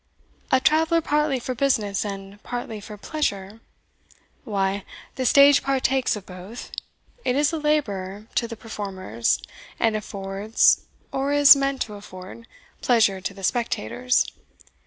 "A traveller partly for business and partly for pleasure? why, the stage partakes of both; it is a labour to the performers, and affords, or is meant to afford, pleasure to the spectators.